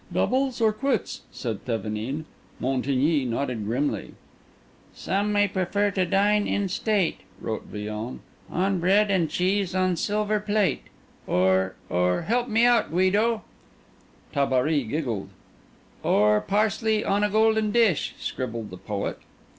"Doubles or quits?" said Thevenin. Montigny nodded grimly. "Some may prefer to dine in state," wrote Villon, "On bread and cheese on silver plate. Or—or—help me out, Guido!" Tabary giggled. "Or parsley on a golden dish," scribbled the poet.